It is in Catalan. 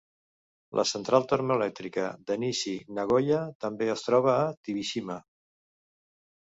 La central termoelèctrica de Nishi-Nagoya també es troba a Tobishima.